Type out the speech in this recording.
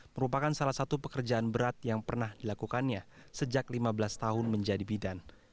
merupakan salah satu pekerjaan berat yang pernah dilakukannya sejak lima belas tahun menjadi bidan